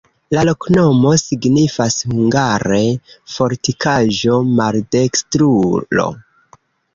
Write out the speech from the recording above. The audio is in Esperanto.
La loknomo signifas hungare: fortikaĵo-maldekstrulo.